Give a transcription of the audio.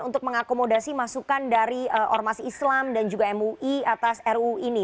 untuk mengakomodasi masukan dari ormas islam dan juga mui atas ruu ini